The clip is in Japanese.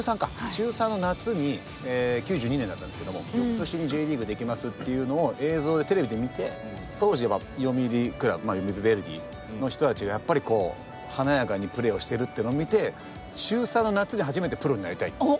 中３の夏に９２年だったんですけども翌年にＪリーグできますっていうのを映像でテレビで見て当時は読売クラブヴェルディの人たちがやっぱりこう華やかにプレーをしてるってのを見て中３の夏に初めてプロになりたいって。